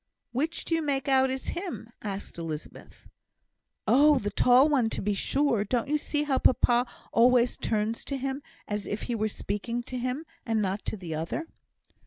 "Which do you make out is him?" asked Elizabeth. "Oh! the tall one, to be sure. Don't you see how papa always turns to him, as if he was speaking to him and not to the other?"